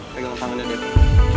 pegang tangannya dia tuh